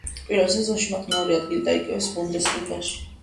პირველ სეზონში მათ მეორე ადგილი დაიკავეს ბუნდესლიგაში.